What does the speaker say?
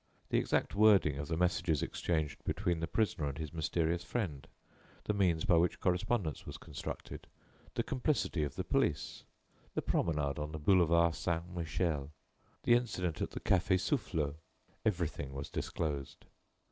The exact wording of the messages exchanged between the prisoner and his mysterious friend, the means by which correspondence was constructed, the complicity of the police, the promenade on the Boulevard Saint Michel, the incident at the café Soufflot, everything was disclosed.